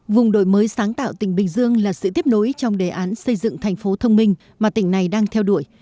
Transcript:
vùng đổi mới sáng tạo tỉnh bình dương là sự tiếp nối trong đề án xây dựng thành phố thông minh mà tỉnh này đang theo đuổi